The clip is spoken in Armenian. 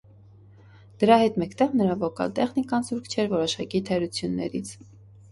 Դրա հետ մեկտեղ նրա վոկալ տեխնիկան զուրկ չէր որոշակի թերություններից։